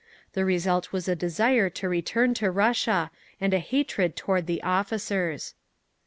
The result was a desire to return to Russia, and a hatred toward the officers.